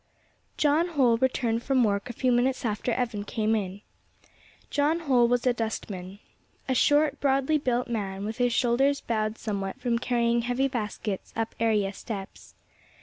JOHN HOLL returned from work a few minutes after Evan came in. John Holl was a dustman. A short, broadly built man, with his shoulders bowed somewhat from carrying heavy baskets up area steps.